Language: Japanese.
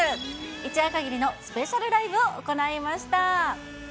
一夜限りのスペシャルライブを行いました。